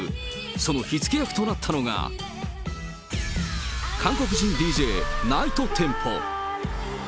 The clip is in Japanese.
その火つけ役となったのが韓国人ＤＪ、ナイトテンポ。